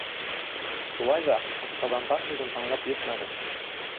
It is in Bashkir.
Шулай ҙа «атҡаҙанған» һүҙен аңлап етмәнем.